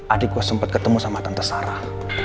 adik gue sempat ketemu sama tante sarah